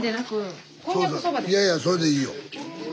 いやいやそれでいいよ。